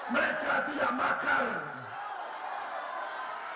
mereka tidak makan